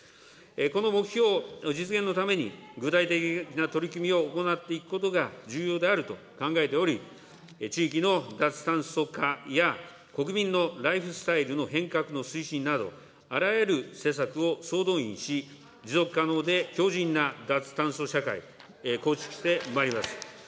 この目標実現のために、具体的な取り組みを行っていくことが重要であると考えており、地域の脱炭素化や、国民のライフスタイルの変革の推進など、あらゆる施策を総動員し、持続可能で強じんな脱炭素社会、構築してまいります。